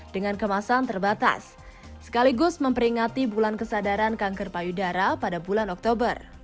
dengan kemasan terbatas sekaligus memperingati bulan kesadaran kanker payudara pada bulan oktober